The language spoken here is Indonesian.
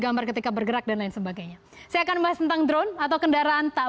gambar ketika bergerak dan lain sebagainya saya akan bahas tentang drone atau kendaraan tak